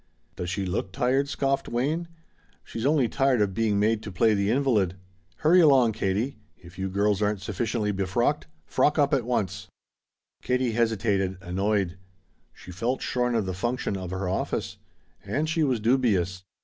"Does she look tired?" scoffed Wayne. "She's only tired of being made to play the invalid. Hurry along, Katie. If you girls aren't sufficiently befrocked, frock up at once." Katie hesitated, annoyed. She felt shorn of the function of her office. And she was dubious.